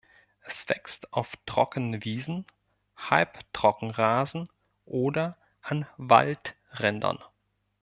Es wächst auf trockenen Wiesen, Halbtrockenrasen, oder an Waldrändern.